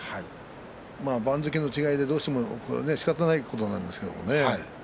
番付の違いでどうしてもしかたないことなんですけどね。